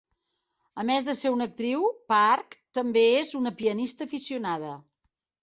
A més de ser una actriu, Park també és una pianista aficionada.